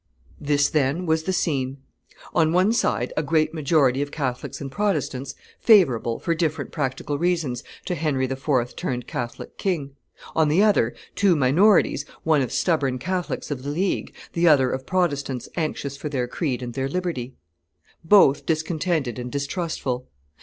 This, then, was the scene; on one side a great majority of Catholics and Protestants favorable for different practical reasons to Henry IV. turned Catholic king; on the other, two minorities, one of stubborn Catholics of the League, the other of Protestants anxious for their creed and their liberty; both discontented and distrustful.